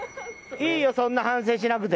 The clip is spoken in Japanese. いいよそんな反省しなくて。